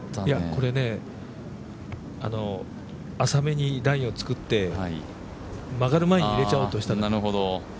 これね、浅めにラインをつくって曲がる前に入れちゃおうとしたの。